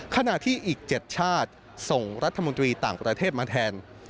ขณะที่อีก๗ชาติส่งรัฐมนตรีต่างประเทศมาแทน